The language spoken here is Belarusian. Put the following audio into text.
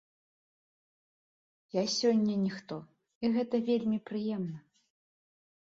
Я сёння ніхто, і гэта вельмі прыемна.